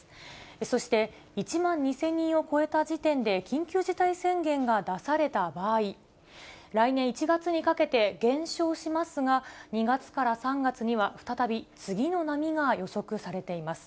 そして、１万２０００人を超えた時点で、緊急事態宣言が出された場合、来年１月にかけて減少しますが、２月から３月には再び次の波が予測されています。